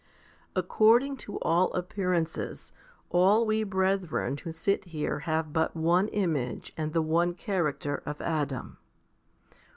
According to all appearances, all we brethren who sit here have but one image and the one character of Adam.